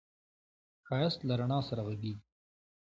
ښایست له رڼا سره غږېږي